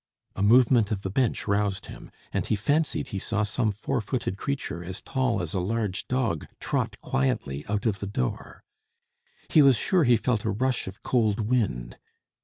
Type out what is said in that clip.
A movement of the bench roused him, and he fancied he saw some four footed creature as tall as a large dog trot quietly out of the door. He was sure he felt a rush of cold wind.